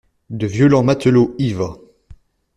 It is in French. De violents matelots ivres.